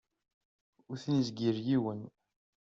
Ur ten-izgil yiwen.